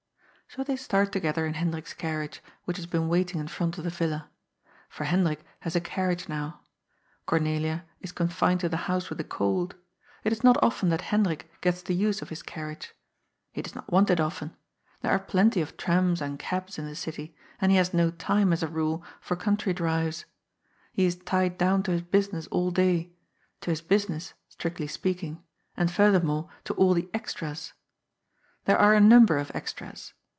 So they start together in Hendrik's carriage, which has been waiting in front of the villa. For Hendrik has a car riage now. Cornelia is confined to the house with a cold. It is not often that Hendrik gets the use of his carriage. He does not want it often. There are plenty of trams and cabs in the city, and he has no time, as a rule, for country drives. He is tied down to his business all day, to his busi ness, strictly speaking, and, furthermore, to all the " extras." There are a number of extras.